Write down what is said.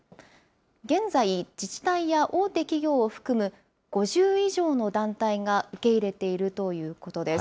現在、自治体や大手企業を含む５０以上の団体が受け入れているということです。